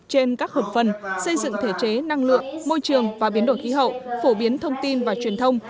trên các hợp phần xây dựng thể chế năng lượng môi trường và biến đổi khí hậu phổ biến thông tin và truyền thông